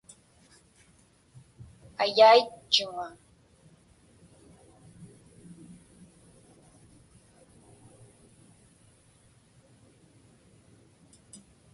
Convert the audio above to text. Ayaitchuŋa.